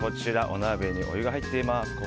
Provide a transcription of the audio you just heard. お鍋にお湯が入っています。